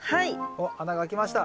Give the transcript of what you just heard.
おっ穴が開きました。